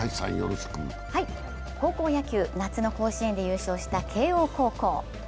高校野球、夏の甲子園で優勝した慶応高校。